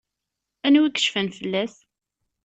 Anwa i yecfan fell-as?